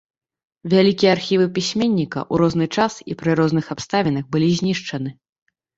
Вялікія архівы пісьменніка ў розны час і пры розных абставінах былі знішчаны.